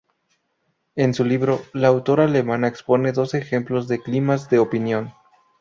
En su libro, la autora alemana expone dos ejemplos de climas de opinión.